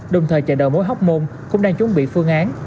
đồng thời chợ đầu mối hóc môn cũng đang chuẩn bị phương án